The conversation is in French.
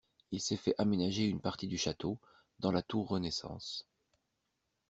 Il s'est fait aménager une partie du château, dans la tour renaissance.